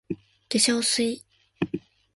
化粧水 ｓ